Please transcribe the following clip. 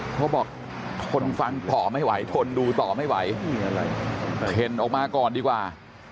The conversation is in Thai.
เขาบอกทนฟังต่อไม่ไหวทนดูต่อไม่ไหวเข็นออกมาก่อนดีกว่า